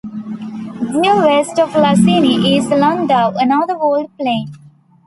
Due west of Laccini is Landau, another walled plain.